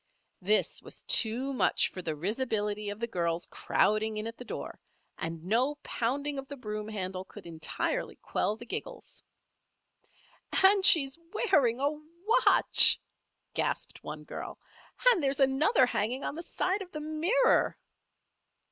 This was too much for the risibility of the girls crowding in at the door, and no pounding of the broom handle could entirely quell the giggles. "And she's wearing a watch!" gasped one girl. "And there's another hanging on the side of the mirror."